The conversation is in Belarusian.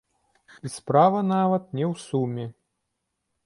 І справа нават не ў суме!